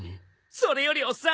それよりおっさん。